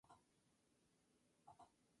Fue miembro de la Academia Nacional de Periodismo.